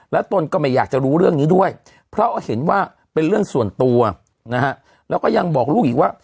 ตนก็ไม่อยากจะรู้เรื่องนี้ด้วยเพราะเห็นว่าเป็นเรื่องส่วนตัวนะฮะแล้วก็ยังบอกลูกอีกว่า